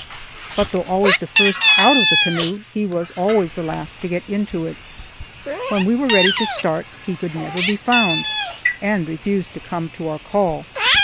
But though always the first out of the canoe, he was always the last to get into it. When we were ready to start he could never be found, and refused to come to our call.